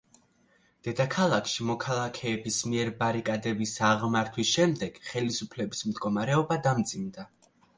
დედაქალაქში მოქალაქეების მიერ ბარიკადების აღმართვის შემდეგ ხელისუფლების მდგომარეობა დამძიმდა.